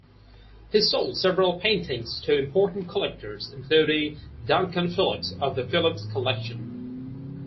He sold several paintings to important collectors including Duncan Phillips of the Phillips Collection.